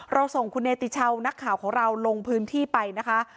ส่งคุณเนติชาวนักข่าวของเราลงพื้นที่ไปนะคะ